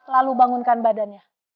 lalu bangunkan badannya